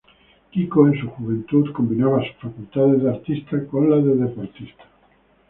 Kiko en su juventud combinaba sus facultades de artista con la de deportista.